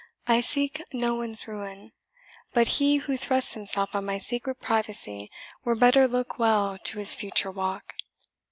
I seek no one's ruin; but he who thrusts himself on my secret privacy were better look well to his future walk.